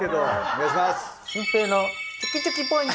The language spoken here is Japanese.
お願いします。